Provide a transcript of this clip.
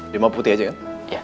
dia mau putih aja kan